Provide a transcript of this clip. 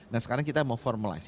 nah sekarang kita mau formulize